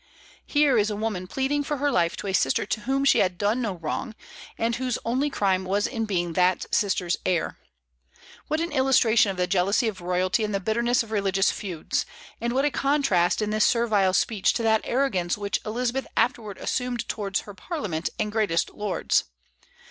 Here is a woman pleading for her life to a sister to whom she had done no wrong, and whose only crime was in being that sister's heir. What an illustration of the jealousy of royalty and the bitterness of religious feuds; and what a contrast in this servile speech to that arrogance which Elizabeth afterward assumed towards her Parliament and greatest lords!